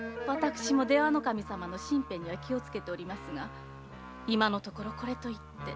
出羽守様の身辺には気をつけておりますが今はこれといって。